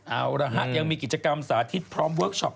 เอาละฮะยังมีกิจกรรมสาธิตพร้อมเวิร์คชอป